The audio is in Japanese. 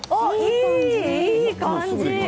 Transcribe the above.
いい感じ。